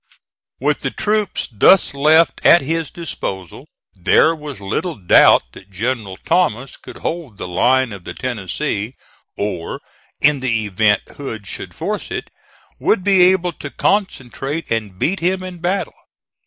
With the troops thus left at his disposal, there was little doubt that General Thomas could hold the line of the Tennessee, or, in the event Hood should force it, would be able to concentrate and beat him in battle.